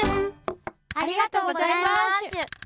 ありがとうございましゅ。